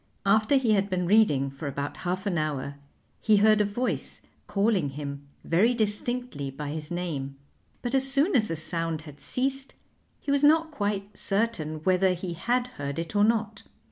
After he had been reading for about half an hour he heard a voice calling him very distinctly by his name, but as soon as the sound had ceased he was not quite certain whether he had heard it or not.